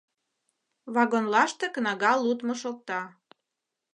Вагонлаште кнага лудмо шокта.